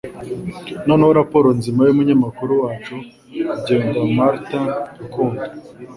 Noneho raporo nzima yumunyamakuru wacu ugenda Martin Rukundo